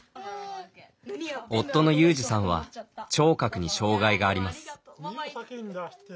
夫の裕士さんは聴覚に障がいがあります。